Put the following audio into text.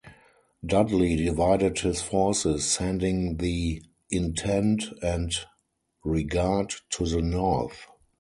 Dudley divided his forces, sending the "Intent" and "Regard" to the north.